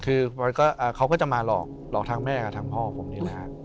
คือเขาก็จะมาหลอกทางแม่กับทางพ่อผมนี่แหละฮะ